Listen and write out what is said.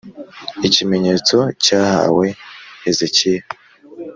Ikimenyetso cyahawe Hezekiya